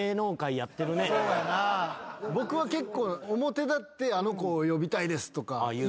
僕は結構表立って「あの子を呼びたいです」とか言う。